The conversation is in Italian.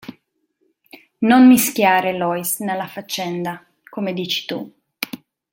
Non mischiare Lois nella faccenda, come dici tu.